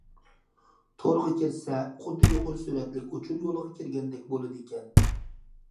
تورغا كىرسە، خۇددى يۇقىرى سۈرئەتلىك ئۇچۇر يولىغا كىرگەندەك بولىدىكەن.